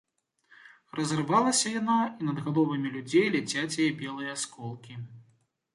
Разарвалася яна, і над галовамі людзей ляцяць яе белыя асколкі.